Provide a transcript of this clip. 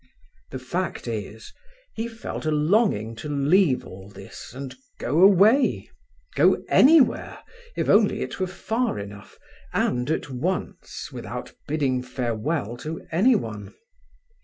The fact is, he felt a longing to leave all this and go away—go anywhere, if only it were far enough, and at once, without bidding farewell to anyone.